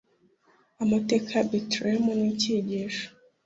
Amateka ya Betelehemu ni icyigisho.